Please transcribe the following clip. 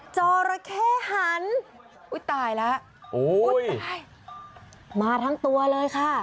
เจาระเข้หันอุ๊ยตายแล้วมาทั้งตัวเลยค่ะ